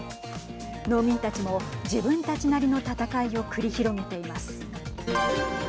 農民たちも自分たちなりの戦いを繰り広げています。